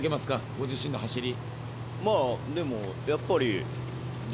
ご自身の走り。